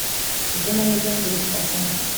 Igenamigambi rifite akamaro.